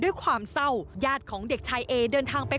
ด้วยความเศร้าญาติของเด็กชายเอเดินทางไป